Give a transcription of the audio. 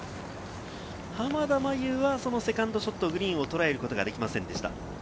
濱田茉優はセカンドショット、グリーンを捉えることができませんでした。